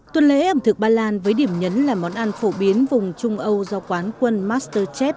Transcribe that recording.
tuần lễ ẩm thực ba lan với điểm nhấn là món ăn phổ biến vùng trung âu do quán quân master chef